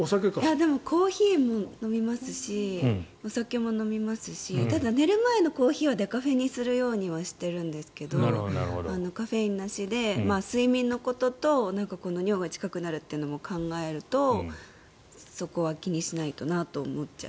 でもコーヒーも飲みますしお酒も飲みますしただ、寝る前のコーヒーはデカフェにするようにはしてるんですけどカフェインなしで睡眠のことと尿が近くなるというのも考えるとそこは気にしないとなと思っちゃう。